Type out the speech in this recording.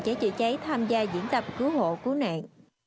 trẻ trị cháy tham gia diễn tập cứu hộ cứu nạn